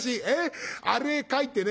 あれ書いてね